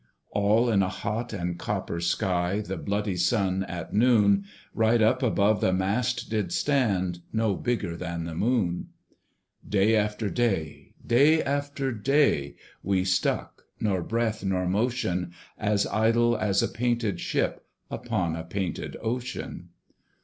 All in a hot and copper sky, The bloody Sun, at noon, Right up above the mast did stand, No bigger than the Moon. Day after day, day after day, We stuck, nor breath nor motion; As idle as a painted ship Upon a painted ocean.